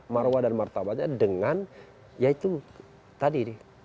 marwah dan martabatnya dengan ya itu tadi nih